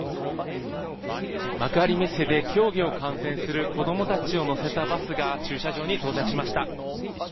幕張メッセで競技を観戦する子供たちを乗せたバスが駐車場に到着しました。